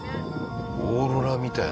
オーロラみたいな。